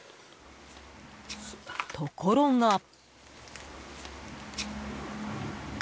ところが。